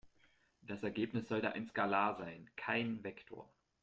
Das Ergebnis sollte ein Skalar sein, kein Vektor.